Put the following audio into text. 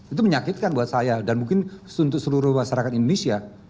itu menyakitkan buat saya dan mungkin untuk seluruh masyarakat indonesia